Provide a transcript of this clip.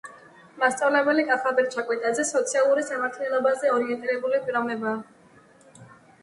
მასწავლებელი კახაბერ ჩაკვეტაძე სოციალური სამართლიანობაზე ორიენტირებული პიროვნებაა